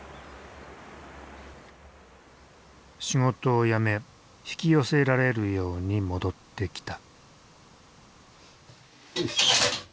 仕事を辞め引き寄せられるように戻ってきた。